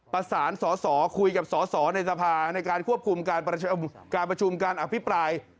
ประสานสอสอคุยกับสอสอในสภาในการควบคุมการประชุมการอภิปราย